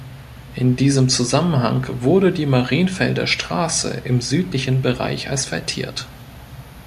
In diesem Zusammenhang wurde die Marienfelder Straße im südlichen Bereich asphaltiert.